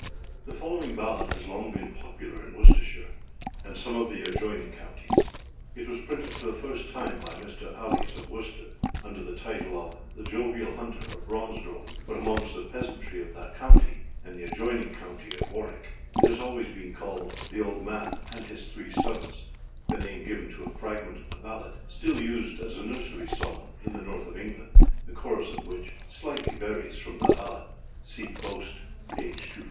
[THE following ballad has long been popular in Worcestershire and some of the adjoining counties. It was printed for the first time by Mr. Allies of Worcester, under the title of The Jovial Hunter of Bromsgrove; but amongst the peasantry of that county, and the adjoining county of Warwick, it has always been called _The Old Man and his Three Sons_âthe name given to a fragment of the ballad still used as a nursery song in the north of England, the chorus of which slightly varies from that of the ballad. See post, p. 250.